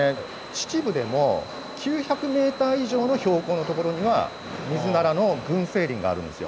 秩父でも９００メーター以上の標高の所にはミズナラの群生林があるんですよ。